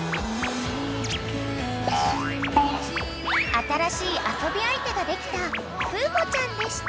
［新しい遊び相手ができたぷーこちゃんでした］